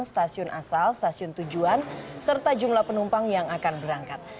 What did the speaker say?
stasiun asal stasiun tujuan serta jumlah penumpang yang akan berangkat